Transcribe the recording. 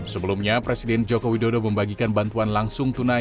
sebelumnya presiden joko widodo membagikan bantuan langsung tunai